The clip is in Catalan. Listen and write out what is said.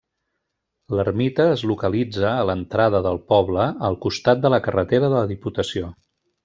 L'ermita es localitza a l'entrada del poble, al costat de la carretera de la Diputació.